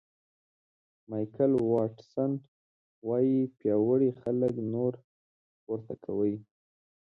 مایکل واټسن وایي پیاوړي خلک نور پورته کوي.